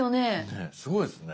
ねっすごいですね。